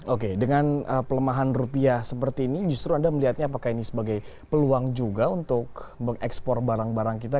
oke dengan pelemahan rupiah seperti ini justru anda melihatnya apakah ini sebagai peluang juga untuk mengekspor barang barang kita